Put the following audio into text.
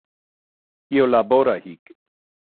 Io labora hic.